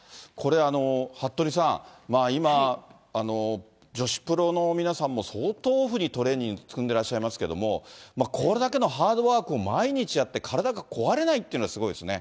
これ、服部さん、今、女子プロの皆さんも相当オフにトレーニング積んでらっしゃいますけども、これだけのハードワークを毎日やって、体が壊れないっていうのはすごいですね。